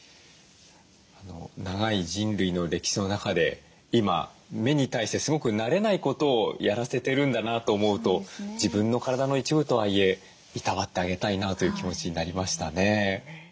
長い人類の歴史の中で今目に対してすごく慣れないことをやらせてるんだなと思うと自分の体の一部とはいえいたわってあげたいなという気持ちになりましたね。